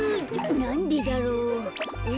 なんでだろう。